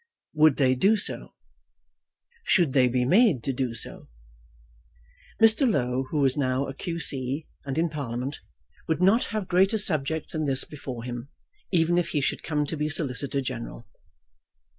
Would they do so? Should they be made to do so? Mr. Low, who was now a Q.C. and in Parliament, would not have greater subjects than this before him, even if he should come to be Solicitor General.